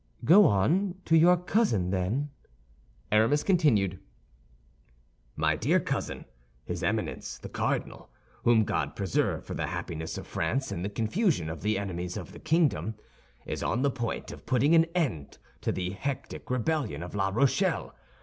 "Go on, to your cousin, then!" Aramis continued: "MY DEAR COUSIN, His Eminence, the cardinal, whom God preserve for the happiness of France and the confusion of the enemies of the kingdom, is on the point of putting an end to the hectic rebellion of La Rochelle.